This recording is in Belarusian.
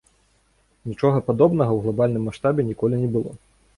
Нічога падобнага ў глабальным маштабе ніколі не было.